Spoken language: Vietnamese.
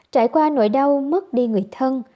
trải qua nỗi đau mất đi người thân